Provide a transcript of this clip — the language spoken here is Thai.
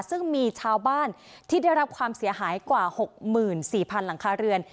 ซึ่งมีชาวบ้านที่ได้รับความเสียหายกว่าหกหมื่นสี่พันหลังคาเรือน